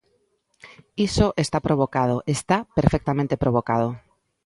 Iso está provocado, está perfectamente provocado.